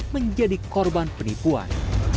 menjadi korban penipuan